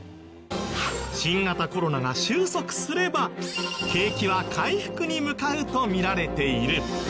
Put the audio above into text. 新型コロナが収束すれば景気は回復に向かうとみられている。